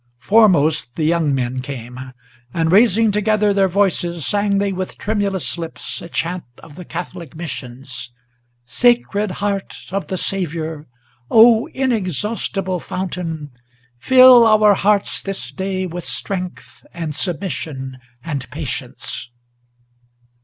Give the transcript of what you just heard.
Foremost the young men came; and, raising together their voices, Sang they with tremulous lips a chant of the Catholic Missions: "Sacred heart of the Saviour! O inexhaustible fountain! Fill our hearts this day with strength and submission and patience!"